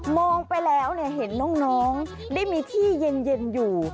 มองไปแล้วเห็นน้องได้มีที่เย็นอยู่